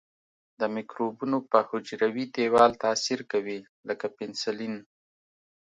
د مکروبونو په حجروي دیوال تاثیر کوي لکه پنسلین.